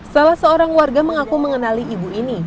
salah seorang warga mengaku mengenali ibu ini